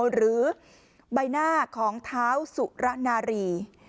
หรือใบหน้าของเท้าสุระนารี